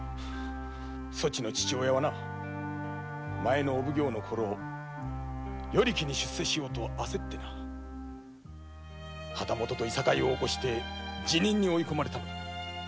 そちの父親はな前の御奉行のころ与力に出世しようとあせって旗本といさかいを起こして辞任に追い込まれたのだ。